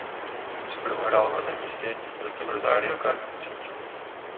Zprvu hrál v rodném městě za tým Rosario Central.